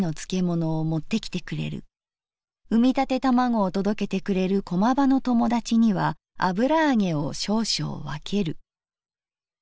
生みたて玉子を届けてくれる駒場の友達には油揚げを少々わける」。